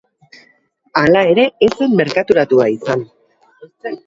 Hala ere, ez zen merkaturatua izan.